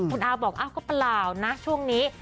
คุณอาบอกอ้าวก็เปล่านะช่วงนี้